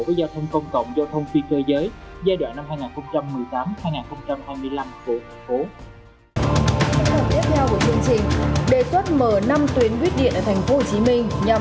của giao thông công cộng giao thông phi cơ giới giai đoạn năm hai nghìn một mươi tám hai nghìn hai mươi năm của thành phố